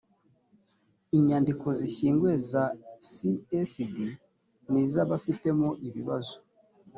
inyandiko zishyinguye za csd ni iz’abafitemo ibibazo